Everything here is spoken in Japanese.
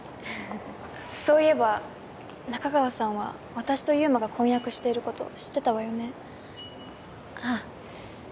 そういえば仲川さんは私と祐馬が婚約していること知ってたわよねああ